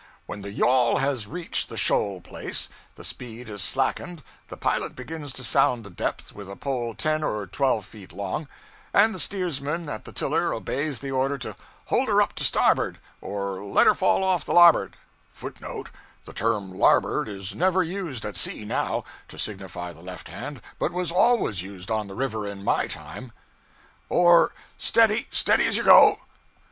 When the yawl has reached the shoal place, the speed is slackened, the pilot begins to sound the depth with a pole ten or twelve feet long, and the steersman at the tiller obeys the order to 'hold her up to starboard;' or, 'let her fall off to larboard;'{footnote [The term 'larboard' is never used at sea now, to signify the left hand; but was always used on the river in my time]} or 'steady steady as you go.'